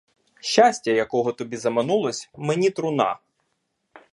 Щастя, якого тобі заманулось, — мені труна.